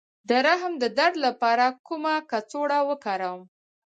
د رحم د درد لپاره کومه کڅوړه وکاروم؟